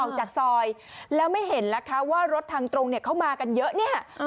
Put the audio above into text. ออกจากซอยแล้วไม่เห็นล่ะคะว่ารถทางตรงเนี่ยเขามากันเยอะเนี่ย